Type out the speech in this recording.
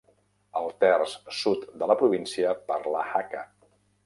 El terç sud de la província parla Hakka.